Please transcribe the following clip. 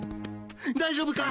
大丈夫か？